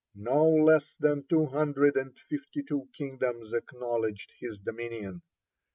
(31) No less than two hundred and fifty two kingdoms acknowledged his dominion.